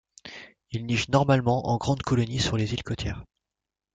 Ils nichent normalement en grandes colonies sur les îles côtières.